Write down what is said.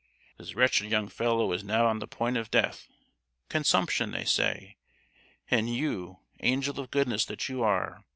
This wretched young fellow is now on the point of death—consumption, they say; and you, angel of goodness that you are!